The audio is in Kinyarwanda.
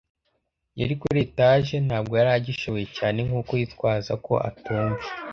yari kuri etage, ntabwo yari agishoboye cyane nkuko yitwaza ko atumva